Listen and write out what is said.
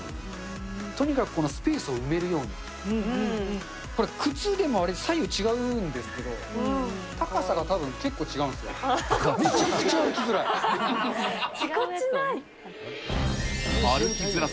とにかくこのスペースを埋めるように、これ、靴でも左右違うんですけど、高さが結構違うんですよ、めちゃくちゃ歩きづらい。